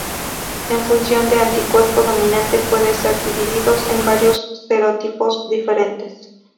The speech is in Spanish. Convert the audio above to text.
En función del anticuerpo dominante pueden ser divididos en varios serotipos diferentes.